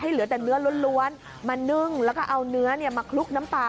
เหลือแต่เนื้อล้วนมานึ่งแล้วก็เอาเนื้อมาคลุกน้ำปลา